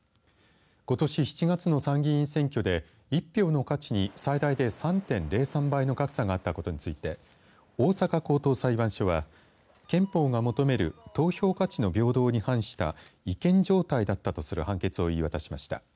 ことし７月の参議院選挙で１票の価値に最大で３．０３倍の格差があったことについて大阪高等裁判所は憲法が求める投票価値の平等に反した違憲状態だったとする判決を言い渡しました。